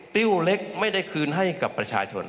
ติ้วเล็กไม่ได้คืนให้กับประชาชน